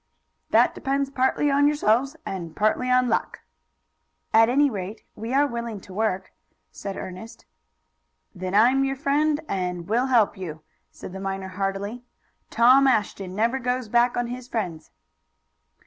"That depends partly on yourselves and partly upon luck." "At any rate, we are willing to work," said Ernest. "Then I'm your friend, and will help you," said the miner heartily. "Tom Ashton never goes back on his friends."